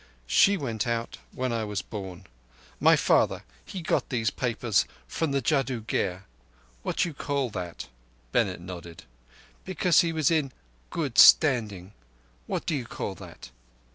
"She went out when I was born. My father, he got these papers from the Jadoo Gher what do you call that?" (Bennett nodded) "because he was in good standing. What do you call that?"